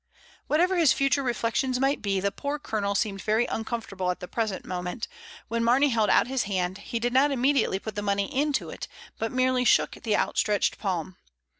57 Whatever his future reflections might be, the poor Colonel seemed very uncomfortable at the present moment; when Marney held out his hand, he did not immediately put the money into it, but merely shook the outstretched palm.